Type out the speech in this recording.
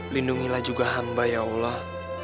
lindungilah juga hamba ya allah